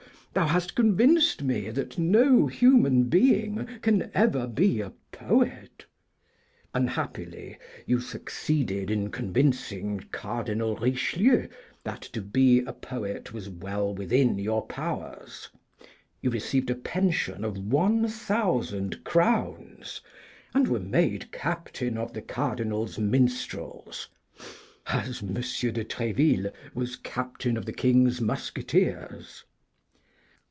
Thou hast convinced me that no human being can ever be a Poet.' Unhappily, you succeeded in convincing Cardinal Richelieu that to be a Poet was well within your powers, you received a pension of one thousand crowns, and were made Captain of the Cardinal's minstrels, as M. de Tréville was Captain of the King's Musketeers.